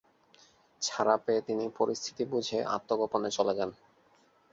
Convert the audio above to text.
ছাড়া পেয়ে তিনি পরিস্থিতি বুঝে আত্মগোপনে চলে যান।